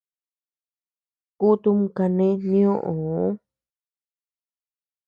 Kutum kane nioo.